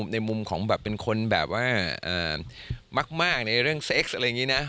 ในมุมของแบบเป็นคนแบบว่ามากในเรื่องเซ็กซ์อะไรอย่างนี้นะ